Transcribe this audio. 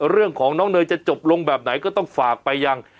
เรื่องของน้องเนยจะจบลงแบบไหนก็ต้องฝากไปยัง